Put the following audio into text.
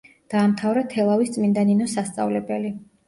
დაამთავრა თელავის წმინდა ნინოს სასწავლებელი.